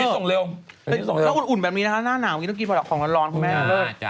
ถ้าอุ่นแบบนี้นะคะหน้านาวต้องกินพอแหละของร้อนคุณแม่